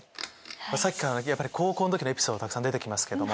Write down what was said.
さっきから高校の時のエピソードたくさん出て来ますけども。